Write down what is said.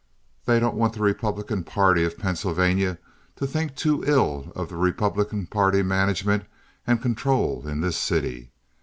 They don't want the Republicans of Pennsylvania to think too ill of the Republican party management and control in this city.